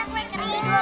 beli dua ya